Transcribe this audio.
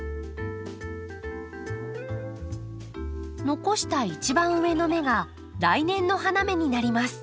残した一番上の芽が来年の花芽になります。